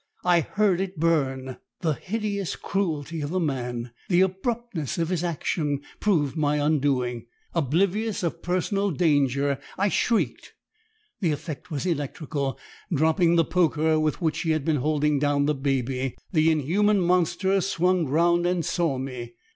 I heard it burn! The hideous cruelty of the man, the abruptness of his action, proved my undoing. Oblivious of personal danger, I shrieked. The effect was electrical. Dropping the poker, with which he had been holding down the baby, the inhuman monster swung round and saw me.